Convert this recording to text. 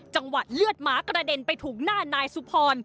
เลือดหมากระเด็นไปถูกหน้านายสุพร